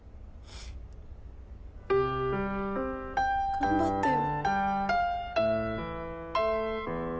頑張ってよ。